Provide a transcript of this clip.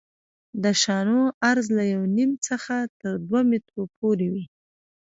د شانو عرض له یو نیم څخه تر دوه مترو پورې وي